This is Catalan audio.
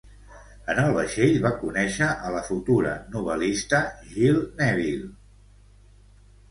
En el vaixell va conèixer a la futura novel·lista Jill Neville.